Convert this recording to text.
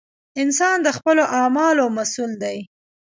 انسان د خپلو اعمالو مسؤول دی!